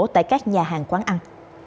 tại các nhà hàng quán ăn